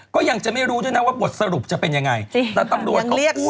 ก็ยังจะไม่รู้ด้วยนะว่าบทสรุปจะเป็นยังไงจริงแต่ตำรวจเขาพูด